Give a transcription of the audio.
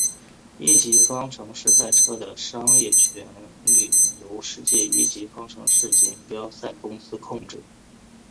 一级方程式赛车的商业权利由世界一级方程式锦标赛公司控制。